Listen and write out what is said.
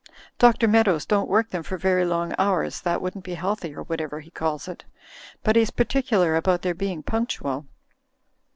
Dr. Mead ows don't work them for very long hours, that wouldn't be healthy or whatever he calls it; but he's particular about their being punctual.